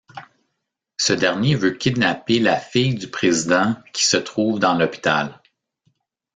Ce dernier veut kidnapper la fille du président qui se trouve dans l’hôpital.